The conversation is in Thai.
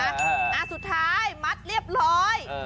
อ่าสุดท้ายมัดเรียบร้อย